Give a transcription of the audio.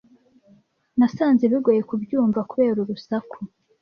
Nasanze bigoye kubyumva kubera urusaku.